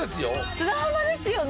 砂浜ですよね。